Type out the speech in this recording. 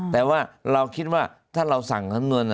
แต่ว่าเราคิดว่าถ้าเราสั่งสำนวน